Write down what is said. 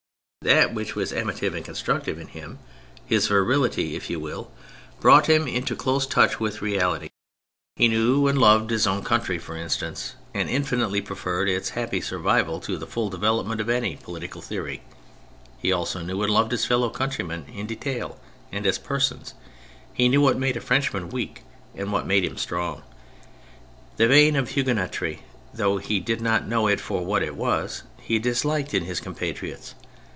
That which was amative and constructive in him, his virility if you will, brought him THE CHARACTERS G9 into close touch with reaHty ; he knew and loved his own country, for instance, and infinitely preferred its happy survival to the full development of any political theory. He also knew and loved his fellow countrymen in detail and as persons; he knew what made a Frenchman weak and what made him strong. The vein of Huguenotry, though he did not know it for what it was, he disliked in his compatriots.